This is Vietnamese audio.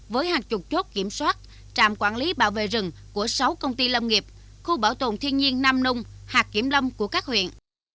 với hàng chục chốt kiểm soát trạm quản lý bảo vệ rừng của sáu công ty lâm nghiệp khu bảo tồn thiên nhiên nam nông hạt kiểm lâm của các huyện